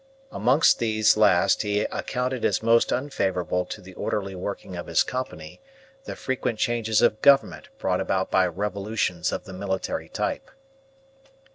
Amongst these last he accounted as most unfavourable to the orderly working of his Company the frequent changes of government brought about by revolutions of the military type.